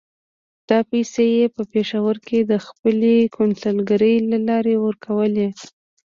دا پیسې یې په پېښور کې د خپلې کونسلګرۍ له لارې ورکولې.